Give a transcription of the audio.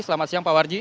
selamat siang pak warji